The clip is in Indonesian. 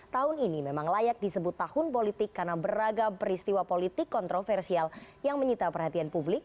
tahun ini memang layak disebut tahun politik karena beragam peristiwa politik kontroversial yang menyita perhatian publik